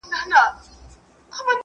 په بازار کي غلا نه کېږي.